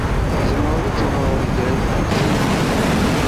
Tzemreḍ ad teɣreḍ gar yizirigen.